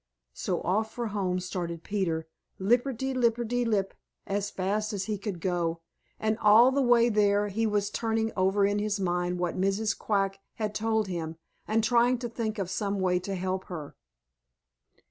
So off for home started Peter, lipperty lipperty lip, as fast as he could go, and all the way there he was turning over in his mind what Mrs. Quack had told him and trying to think of some way to help her.